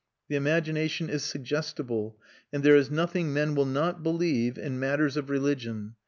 The imagination is suggestible and there is nothing men will not believe in matters of religion.